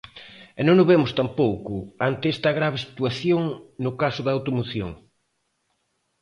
E non o vemos tampouco, ante esta grave situación, no caso da automoción.